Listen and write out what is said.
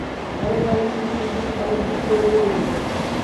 ঘরের বাইরে এসে দেখি তিনজন লোক বাড়ির ভেতর থেকে দৌড়ে বেরিয়ে যাচ্ছে।